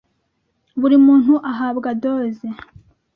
Buri muntu ahabwa doze